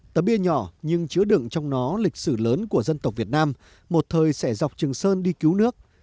tấm bia nhỏ nhưng chứa đựng trong nó lịch sử lớn của dân tộc việt nam một thời sẽ dọc trường sơn đi cứu nước